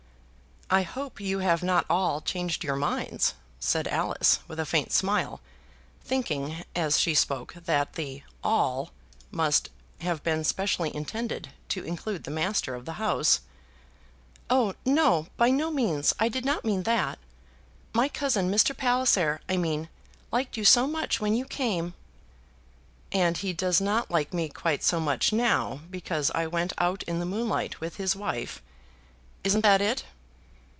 "I hope you have not all changed your minds," said Alice, with a faint smile, thinking as she spoke that the "all" must have been specially intended to include the master of the house. "Oh, no; by no means. I did not mean that. My cousin, Mr. Palliser, I mean, liked you so much when you came." "And he does not like me quite so much now, because I went out in the moonlight with his wife. Isn't that it?"